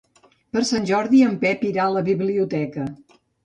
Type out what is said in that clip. Per Sant Jordi en Pep irà a la biblioteca.